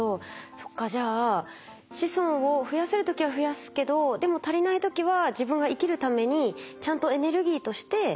そっかじゃあ子孫を増やせる時は増やすけどでも足りない時は自分が生きるためにちゃんとエネルギーとしてオイルを作ってためるんですね。